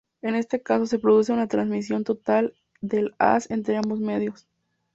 En este caso, se produce una transmisión total del haz entre ambos medios.